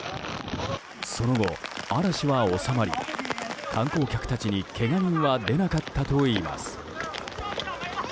その後、嵐は収まり観光客たちにけが人は出なかったといいます。